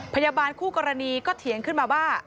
พยาบาลคู่กรณีก็เถียงขึ้นมาว่า